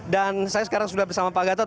dan saya sekarang sudah bersama pak gatot